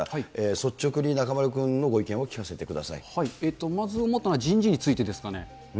率直に中丸君のご意見を聞かせてまず思ったのは、人事についてですかね。